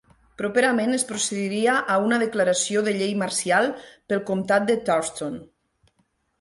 Properament es procediria a una declaració de llei marcial pel comtat de Thurston.